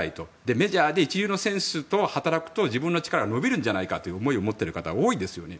メジャーで一流の選手と働くと自分の能力が伸びるんじゃないかという思いを持ってる方は多いですよね。